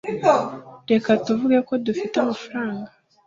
Reka tuvuge ko dufite amafaranga